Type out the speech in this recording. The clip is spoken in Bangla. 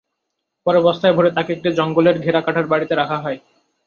পরে বস্তায় ভরে তাকে একটি জঙ্গলে ঘেরা কাঠের বাড়িতে রাখা হয়।